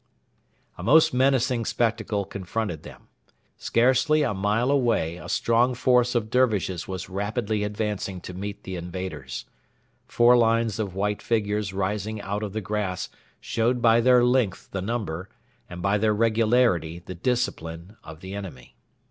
A most menacing spectacle confronted them. Scarcely a mile away a strong force of Dervishes was rapidly advancing to meet the invaders. Four lines of white figures rising out of the grass showed by their length the number, and by their regularity the discipline, of the enemy.